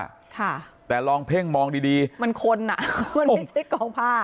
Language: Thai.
ค่ะแต่ลองเพ่งมองดีดีมันคนอ่ะมันไม่ใช่กองผ้า